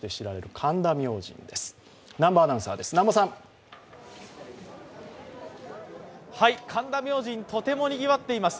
神田明神、とてもにぎわっています。